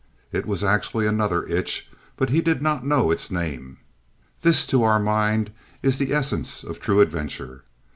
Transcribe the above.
It was actually another itch, but he did not know its name. This to our mind is the essence of true adventure.